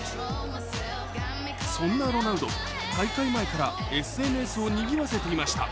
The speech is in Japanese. そんなロナウド、大会前からＳＮＳを賑わせていました。